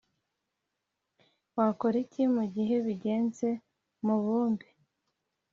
Wakora iki mu gihe bigenze mubumbe